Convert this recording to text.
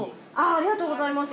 ありがとうございます